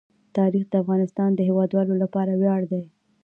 تاریخ د افغانستان د هیوادوالو لپاره ویاړ دی.